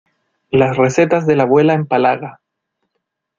Las recetas de la abuela empalaga.